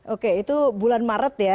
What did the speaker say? oke itu bulan maret ya